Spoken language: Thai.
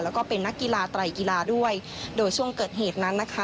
แล้วก็เป็นนักกีฬาไตรกีฬาด้วยโดยช่วงเกิดเหตุนั้นนะคะ